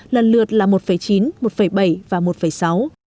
lần lượt là một chín một bảy và một sáu